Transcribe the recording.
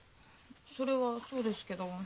それはそうですけど。